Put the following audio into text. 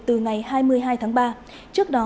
từ ngày hai mươi hai tháng ba trước đó